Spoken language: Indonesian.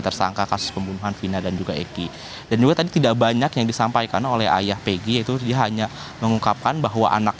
taufik artinya tadi untuk melakukan